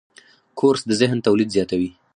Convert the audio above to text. کورس د ذهن تولید زیاتوي.